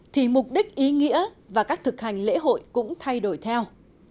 thì mục đích ý nghĩa và các thực hành lễ hội cũng thay đổi theo